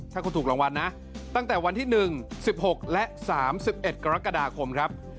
ถ้าคุณถูกรางวัลนะตั้งแต่วันที่๑๑๖และ๓๑กรกฎาคมครับ